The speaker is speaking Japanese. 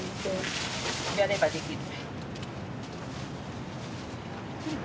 やればできる。